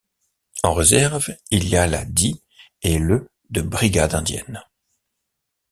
En réserve, il y a la Di et le de brigades indiennes.